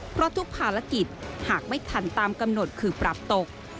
เพราะทุกภารกิจหากไม่ทันตามกำหนดคือปรับตก